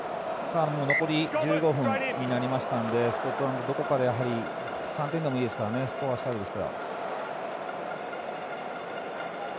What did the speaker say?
残り１５分になりましたのでスコットランドは３点でもいいですからスコアしたいです。